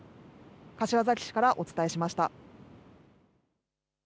柏崎市からお伝えしました。